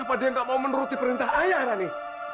kenapa dia gak mau menuruti perintah ayah rani